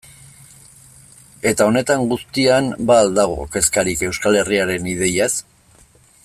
Eta honetan guztian ba al dago kezkarik Euskal Herriaren ideiaz?